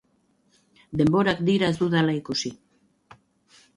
Denborak dira ez dudala ikusi.